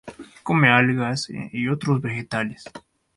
Come algas, y otros vegetales.